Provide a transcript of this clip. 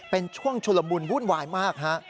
เป็นช่วงชุลมุนวุ่นวายมากฮะ